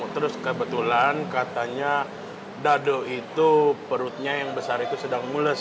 terus kebetulan katanya dado itu perutnya yang besar itu sedang mules